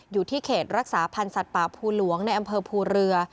อยู่ที่เขตรักษาพันธ์สัตว์ป่าภูหลวงในอำเภอภูเรือ